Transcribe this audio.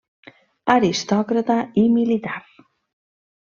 Aristòcrata i militar.